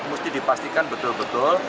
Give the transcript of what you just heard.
mesti dipastikan betul betul